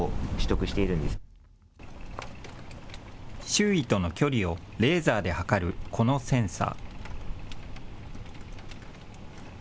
周囲との距離をレーザーで測るこのセンサー。